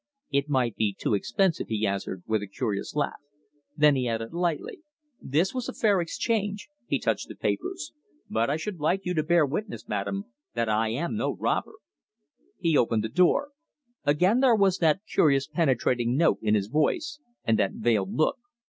"It might be too expensive," he answered, with a curious laugh. Then he added lightly: "This was a fair exchange" he touched the papers "but I should like you to bear witness, madam, that I am no robber!" He opened the door. Again there was that curious penetrating note in his voice, and that veiled look.